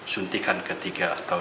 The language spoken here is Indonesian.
suntikan ketiga atau